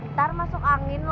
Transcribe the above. ntar masuk angin lho